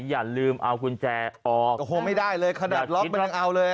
อย่าลืมเอาขุนแจออกโอ้โหไม่ได้เลยขนาดล็อกมาแล้งเอาเลย